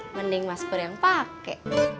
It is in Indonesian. mending mas pur yang pake